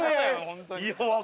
本当に。